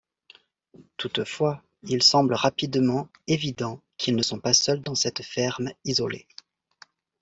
Toutefois, il semble rapidement évident qu'ils ne sont pas seuls dans cette ferme isolée…